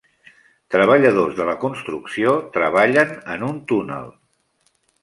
Treballadors de la construcció treballen en un túnel.